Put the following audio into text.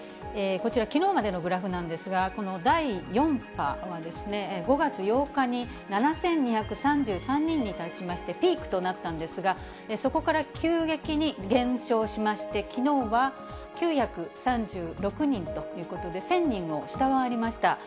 こちら、きのうまでのグラフなんですが、この第４波は、５月８日に７２３３人に対しましてピークとなったんですが、そこから急激に減少しまして、きのうは９３６人ということで、１０００人を下回りました。